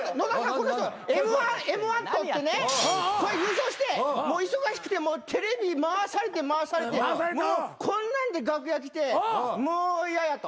この人Ｍ−１取ってね優勝してもう忙しくてテレビ回されて回されてもうこんなんで楽屋来てもう嫌やと。